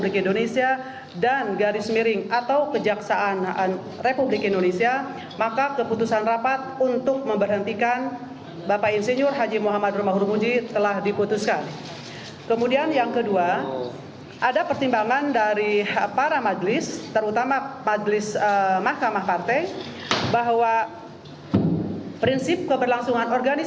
kepada pemerintah saya ingin mengucapkan terima kasih kepada pemerintah pemerintah yang telah menonton